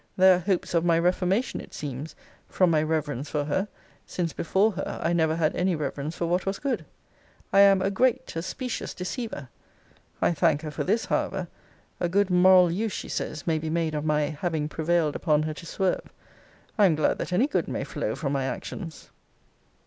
There are hopes of my reformation, it seems, 'from my reverence for her; since before her I never had any reverence for what was good!' I am 'a great, a specious deceiver.' I thank her for this, however. A good moral use, she says, may be made of my 'having prevailed upon her to swerve.' I am glad that any good may flow from my actions.